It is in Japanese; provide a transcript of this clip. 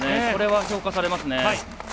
それは評価されますね。